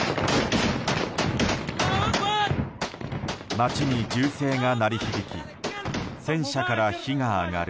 街に銃声が鳴り響き戦車から火が上がる。